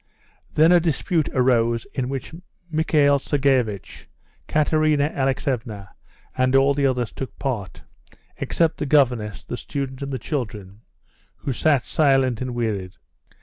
Then a dispute arose in which Michael Sergeivitch, Katerina Alexeevna and all the others took part, except the governess, the student and the children, who sat silent and wearied.